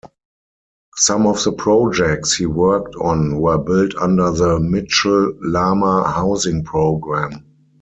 Some of the projects he worked on were built under the Mitchell-Lama Housing Program.